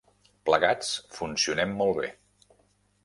Plegats funcionem molt bé.